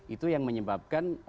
itu yang menyebabkan